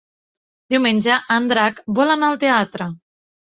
Diumenge en Drac vol anar al teatre.